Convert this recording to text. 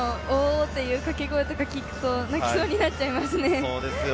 っという掛け声を聞くと泣きそうになっちゃいますね。